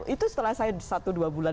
itu setelah saya satu dua bulan